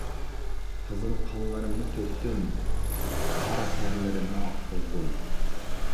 قىزىل قانلىرىمنى تۆكتۈم، قارا تەرلىرىمنى ئاققۇزدۇم.